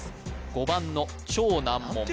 ５番の超難問